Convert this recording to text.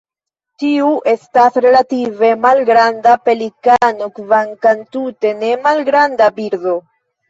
Tiu estas relative malgranda pelikano kvankam tute ne malgranda birdo.